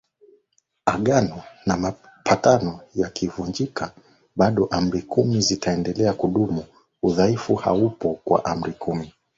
agano na mapatano yakivunjika Bado Amri kumi zitaedelea kudumu Udhaifu haupo kwa Amri kumi